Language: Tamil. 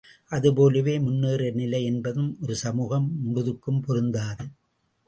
அது போலவே முன்னேறிய நிலை என்பதும் ஒரு சமூகம் முழுதுக்கும் பொருந்தாது.